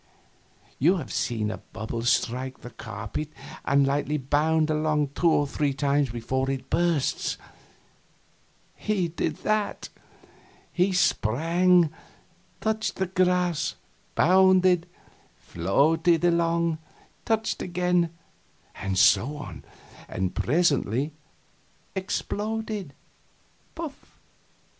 You have seen a bubble strike the carpet and lightly bound along two or three times before it bursts. He did that. He sprang touched the grass bounded floated along touched again and so on, and presently exploded puff!